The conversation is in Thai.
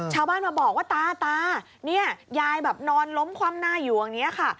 ชาวบ้านมาบอกว่าตานี่ยายนอนล้มคว่ำหน้าอยู่อันนี้ค่ะ